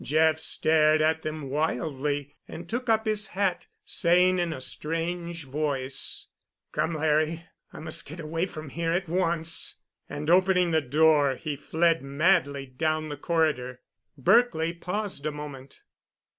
Jeff stared at them wildly and took up his hat, saying in a strange voice, "Come, Larry, I must get away from here—at once," and, opening the door, he fled madly down the corridor. Berkely paused a moment.